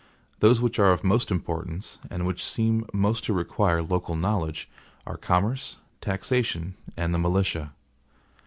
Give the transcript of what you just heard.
Those which are of most importance, and which seem most to require local knowledge, are commerce, taxation, and the militia.